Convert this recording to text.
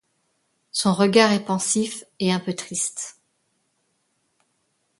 Son regard est pensif et un peu triste.